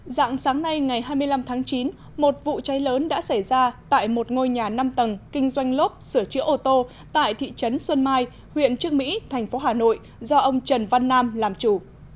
dạng sáng nay ngày hai mươi năm tháng chín một vụ cháy lớn đã xảy ra tại một ngôi nhà năm tầng kinh doanh lốp sửa chữa ô tô tại thị trấn xuân mai huyện trương mỹ thành phố hà nội do ông trần văn nam làm chủ